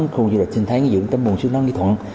khu du lịch sinh thái dự án tấm bồn sứ năng dự thuận